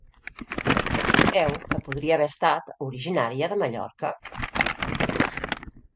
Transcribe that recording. Es creu que podria haver estat originària de Mallorca?